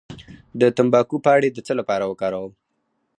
د تمباکو پاڼې د څه لپاره وکاروم؟